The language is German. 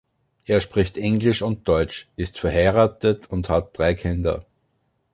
Er spricht Englisch und Deutsch, ist verheiratet und hat drei Kinder.